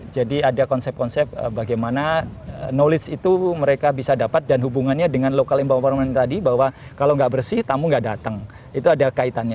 jadi ada konsep konsep bagaimana knowledge itu mereka bisa dapat dan hubungannya dengan lokal yang bawa bawa tadi bahwa kalau nggak bersih tamu nggak datang itu ada kaitannya